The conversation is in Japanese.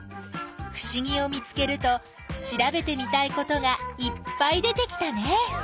ふしぎを見つけると調べてみたいことがいっぱい出てきたね。